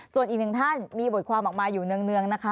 ส่วนอีกหนึ่งท่านมีบทความออกมาอยู่เนื่องนะคะ